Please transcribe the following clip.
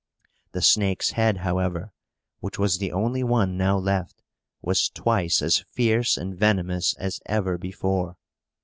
The snake's head, however (which was the only one now left), was twice as fierce and venomous as ever before.